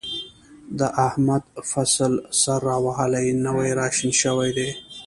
د احمد فصل سر را وهلی، نوی را شین شوی دی.